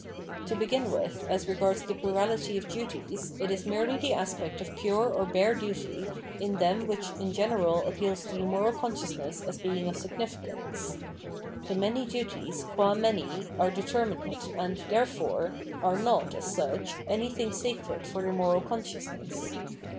To begin with, as regards the plmality of duties, it is merely the aspect of pure or bare duty in them which in general appeals to the moral consciousness as being of significance : the many duties qva many are deter minate and, therefore, are not, as such, an 3 rthing sacred for the moral consciousness.